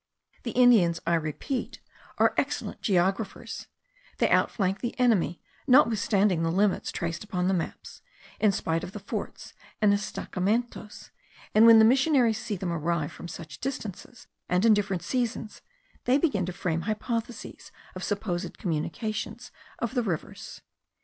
The Indians, I repeat, are excellent geographers; they outflank the enemy, notwithstanding the limits traced upon the maps, in spite of the forts and the estacamentos; and when the missionaries see them arrive from such distances, and in different seasons, they begin to frame hypotheses of supposed communications of rivers.